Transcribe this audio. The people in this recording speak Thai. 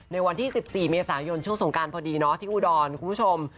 ในวันที่๑๔เมษายนช่วงสงการพอดีเนาะที่อุดรคุณผู้ชม